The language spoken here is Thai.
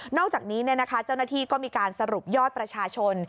อกจากนี้เจ้าหน้าที่ก็มีการสรุปยอดประชาชน